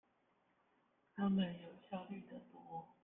他們有效率的多